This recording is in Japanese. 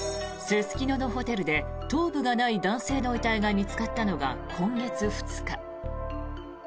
すすきののホテルで頭部がない男性の遺体が見つかったのが今月２日。